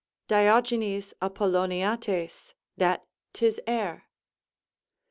Diogenes Apolloniates, that 'tis air.